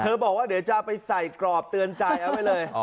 บอกว่าเดี๋ยวจะไปใส่กรอบเตือนใจเอาไว้เลย